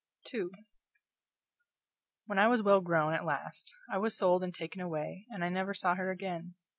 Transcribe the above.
CHAPTER II When I was well grown, at last, I was sold and taken away, and I never saw her again.